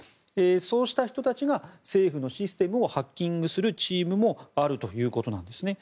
そうした人たちが政府のシステムをハッキングするチームもあるということなんですね。